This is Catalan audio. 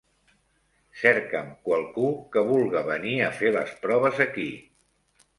Cercam qualcú que vulga venir a fer les proves aquí.